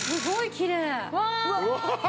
きれい！